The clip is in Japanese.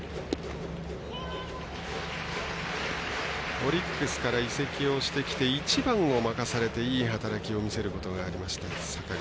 オリックスから移籍をしてきて１番を任されて、いい働きを見せることがあった坂口。